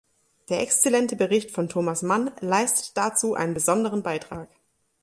Der exzellente Bericht von Thomas Mann leistet dazu einen besonderen Beitrag.